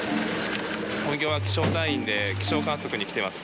本業は気象隊員で気象観測に来てます。